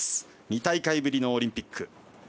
２大会ぶりのオリンピック。